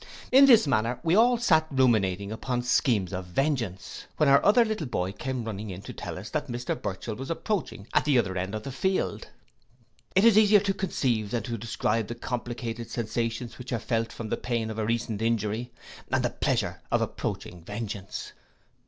In this manner we all sate ruminating upon schemes of vengeance, when our other little boy came running in to tell us that Mr Burchell was approaching at the other end of the field. It is easier to conceive than describe the complicated sensations which are felt from the pain of a recent injury, and the pleasure of approaching vengeance.